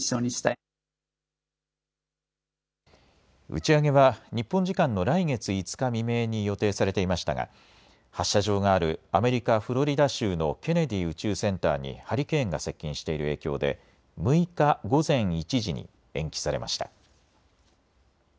打ち上げは日本時間の来月５日未明に予定されていましたが発射場があるアメリカ・フロリダ州のケネディ宇宙センターにハリケーンが接近している影響で６日、午前１時に延期されました。